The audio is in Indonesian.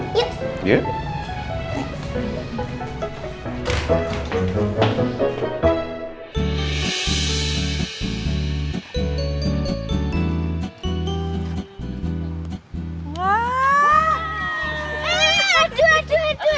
aduh aduh aduh